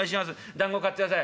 だんご買ってください。